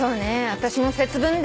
私も「節分」で。